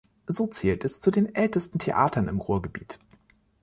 So zählt es zu den ältesten Theatern im Ruhrgebiet.